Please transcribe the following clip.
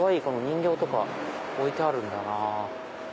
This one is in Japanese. この人形とか置いてあるんだなぁ。